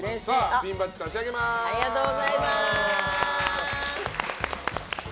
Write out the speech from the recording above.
ピンバッジ差し上げます。